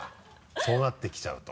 そうなってきちゃうと。